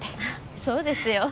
そうですよ。